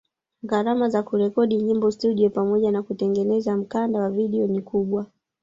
Gharama za kurekodi nyimbo studio pamoja na kutengeneza mkanda wa video ni kubwa